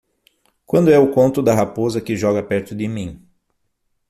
Quando é o conto da raposa que joga perto de mim